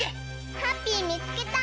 ハッピーみつけた！